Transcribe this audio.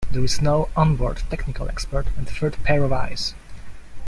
There is no onboard technical expert and third pair of eyes.